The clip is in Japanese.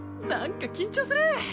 なんか緊張する！